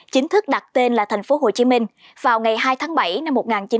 chính thức đặt tên là thành phố hồ chí minh vào ngày hai tháng bảy năm một nghìn chín trăm bảy mươi